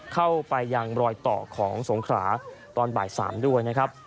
เข้าไปยังรอยต่อของสงขราตอนบ่าย๓ด้วยนะครับ